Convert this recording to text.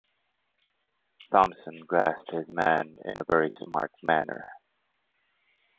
Thompson grassed his man in a very smart manner.